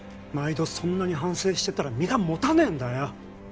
毎度そんなに反省してたら身が持たねえんだよ